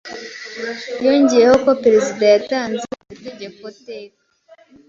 Yongeyeho ko Perezida yatanze iryo tegeko-teka